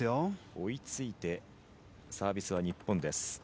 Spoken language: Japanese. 追いついてサービスは日本です。